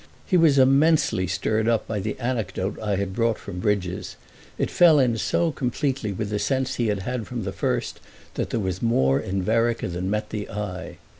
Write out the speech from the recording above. He was immensely stirred up by the anecdote I had brought from Bridges; it fell in so completely with the sense he had had from the first that there was more in Vereker than met the eye.